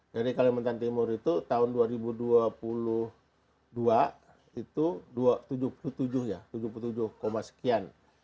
jadi kalimantan timur itu tahun dua ribu dua puluh dua itu tujuh puluh tujuh sekian